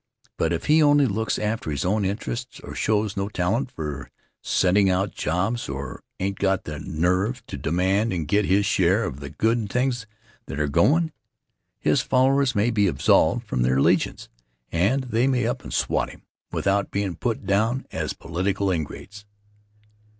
But if he only looks after his own interests or shows no talent for scenting out jobs or ain't got the nerve to demand and get his share of the good things that are going', his followers may be absolved from their allegiance and they may up and swat him without bein' put down as political ingrates.